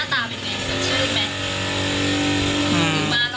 หน้าตาเป็นไงชื่อเป็น